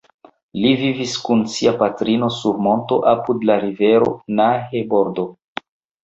Li vivis kun sia patrino sur monto apud la rivero Nahe-bordo.